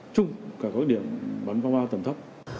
chung cả các điểm bắn pháo hoa tầm thấp